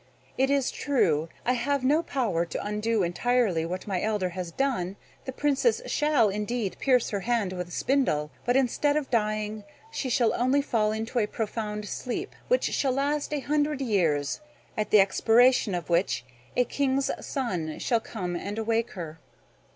It is true, I have no power to undo entirely what my elder has done. The Princess shall indeed pierce her hand with a spindle; but, instead of dying, she shall only fall into a profound sleep, which shall last a hundred years, at the expiration of which a king's son shall come and awake her."